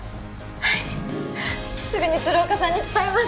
はいすぐに鶴岡さんに伝えます